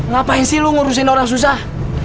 ngapain sih lo ngurusin orang susah